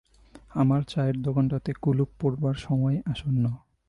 আমার চায়ের দোকানটাতে কুলুপ পড়বার সময় আসন্ন।